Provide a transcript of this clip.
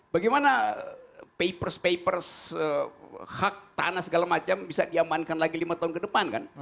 bagaimana papers papers hak tanah segala macam bisa diamankan lagi lima tahun ke depan kan